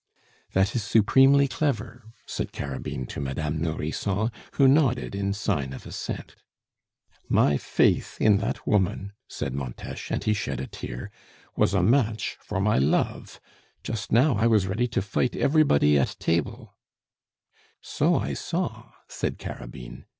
"That is supremely clever!" said Carabine to Madame Nourrisson, who nodded in sign of assent. "My faith in that woman," said Montes, and he shed a tear, "was a match for my love. Just now, I was ready to fight everybody at table " "So I saw," said Carabine.